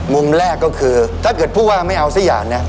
มุมแรกก็คือถ้าเกิดผู้ว่าไม่เอาสักอย่างเนี่ย